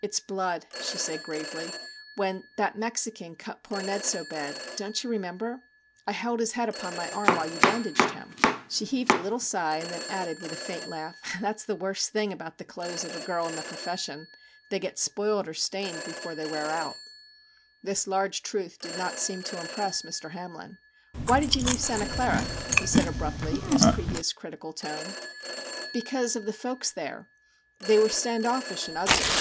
'It's blood/ she said gravely; 'when that Mexican cut poor Ned so bad don't you remember? I held his head upon my arm while you bandaged him/ She heaved a little sigh, and then added, with a faint laugh, 'That's the worst thing about the clothes MR. JACK HAMLIN'S MEDIATION 21 of a girl in the profession they get spoiled or stained before they wear out/ This large truth did not seem to impress Mr. Hamlin. 'Why did you leave Santa Clara ?' he said abruptly, in his previous critical tone. * Because of the folks there. They were standoffish and ugly.